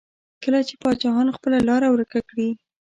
کله چې پاچاهان خپله لاره ورکه کړي.